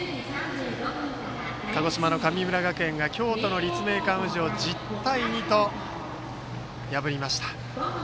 鹿児島の神村学園が京都の立命館宇治を１０対２で破りました。